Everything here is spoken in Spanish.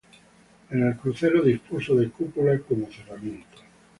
En el crucero dispuso de cúpula como cerramiento.